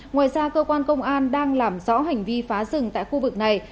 ngoài ra cơ quan công an đang làm rõ hành vi phá rừng tại khu vực này